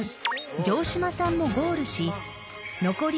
［城島さんもゴールし］